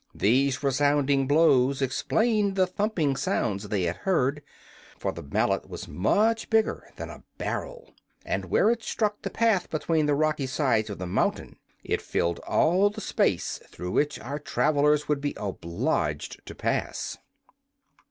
These resounding blows explained the thumping sounds they had heard, for the mallet was much bigger than a barrel, and where it struck the path between the rocky sides of the mountain it filled all the space through which our travelers would be obliged to pass.